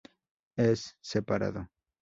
Es separado.